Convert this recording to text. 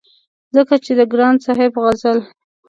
ځکه چې د ګران صاحب غزل